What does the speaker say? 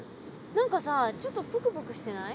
何かさちょっとプクプクしてない？